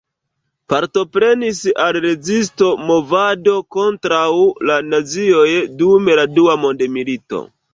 Partoprenis al la Rezisto-movado kontraŭ la nazioj dum la Dua mondmilito.